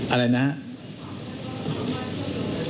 อะไรนะครับ